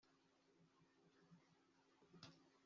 tugomba gukoresha ingazi, kubera ko lift irimo gusanwa